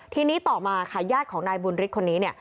ทีนี้ต่อมาค่ะญาติของนายบุญฤทธิ์คนนี้เนี่ย